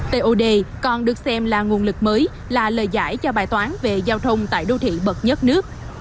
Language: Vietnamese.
tod còn được xem là nguồn lực mới là lời giải cho bài toán về giao thông tại đô thị bậc nhất nước